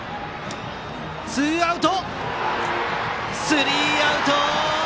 スリーアウト！